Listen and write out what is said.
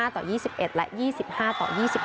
ต่อ๒๑และ๒๕ต่อ๒๑